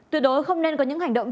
tuyệt đối không nên có những hành động